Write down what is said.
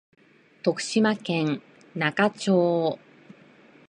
徳島県那賀町